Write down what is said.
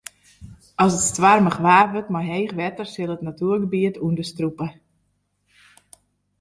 As it stoarmich waar wurdt mei heech wetter sil it natuergebiet ûnderstrûpe.